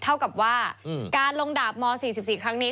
เท่ากับว่าการลงดาบม๔๔ครั้งนี้